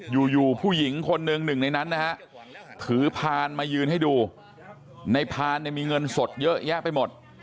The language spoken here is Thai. อยู่ผู้หญิงคนหนึ่งหนึ่งในนั้นนะฮะถือพานมายืนให้ดูในพานเนี่ยมีเงินสดเยอะแยะไปหมด